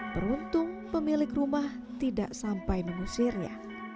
beruntung pemilik rumah tidak sampai mengusirnya